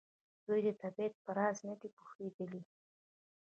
دوی د طبیعت په راز نه دي پوهېدلي.